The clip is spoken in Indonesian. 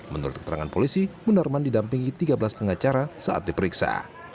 menurut keterangan polisi munarman didampingi tiga belas pengacara saat diperiksa